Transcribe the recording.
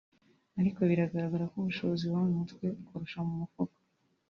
ariko biragaragara ko ubushobozi buba mu mutwe kurusha mu mufuka